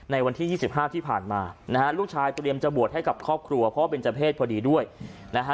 วันที่๒๕ที่ผ่านมานะฮะลูกชายเตรียมจะบวชให้กับครอบครัวเพราะว่าเป็นเจ้าเพศพอดีด้วยนะฮะ